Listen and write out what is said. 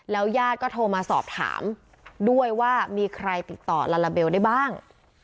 ญาติก็โทรมาสอบถามด้วยว่ามีใครติดต่อลาลาเบลได้บ้าง